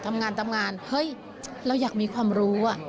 ทำงานเฮ้ยเราอยากมีความรู้